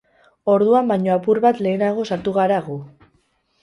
Ordua baino apur bat lehenago sartu gara gu.